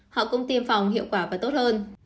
họ cũng tiêm phòng hiệu quả và tốt hơn